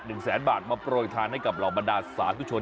หนึ่งแสนบาทมาโปรยทานให้กับหล่อบรรดาศาสตร์ทุกชน